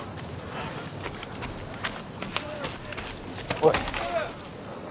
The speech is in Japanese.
おい！